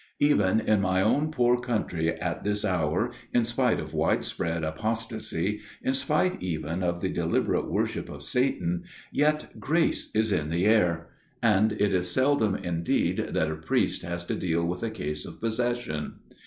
Even in my own poor country at this hour, in spite of widespread apos tacy, in spite even of the deliberate worship of Satan, yet grace is in the air ; and it is seldom, indeed, that a priest has to deal with a case of FATHER MEURON'S TALE 35 possession.